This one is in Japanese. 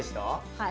はい。